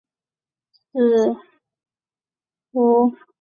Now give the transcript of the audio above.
下列的行为可视为绑扎的范畴。